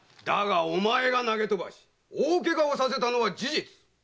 だがお前が投げ飛ばし大ケガをさせたのは事実。